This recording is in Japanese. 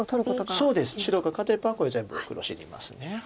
そうです白が勝てばこれ全部黒死にます。